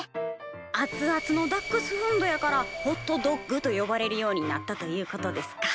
熱々のダックスフンドやからホットドッグと呼ばれるようになったということですか。